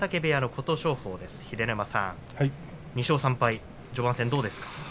琴勝峰の序盤戦どうですか。